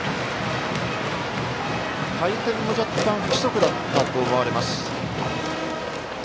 回転も若干不規則だったと思われます。